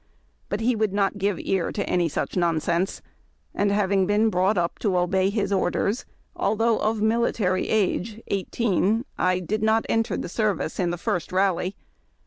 But he would not give ear to any such "'nonsense," and, having been brought up to obey his orders, although of military age (18), I did not enter the service in the first rally.